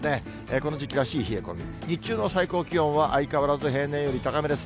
この時期らしい冷え込み、日中の最高気温は、相変わらず平年より高めです。